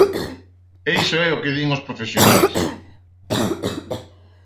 E iso é o que din os profesionais.